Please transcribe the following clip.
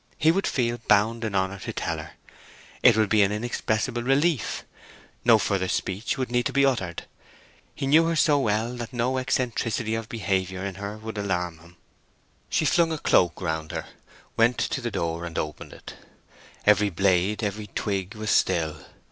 he would feel bound in honour to tell her. It would be an inexpressible relief. No further speech would need to be uttered. He knew her so well that no eccentricity of behaviour in her would alarm him. She flung a cloak round her, went to the door and opened it. Every blade, every twig was still.